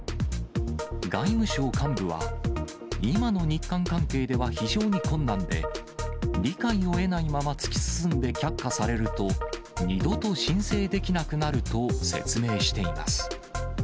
外務省幹部は、今の日韓関係では非常に困難で、理解を得ないまま突き進んで却下されると、二度と申請できなくなると説明しています。